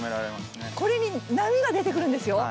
これに波が出てくるんですよ。